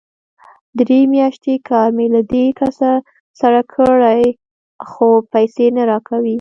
درې مياشتې کار مې له دې کس سره کړی، خو پيسې نه راکوي!